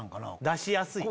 出しやすい。